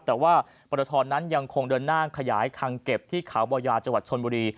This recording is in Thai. แต่ว่าปรทนั้นยังคงเดินหน้าขยายคังเก็บที่เขาบ่อยาจังหวัดชนบุรี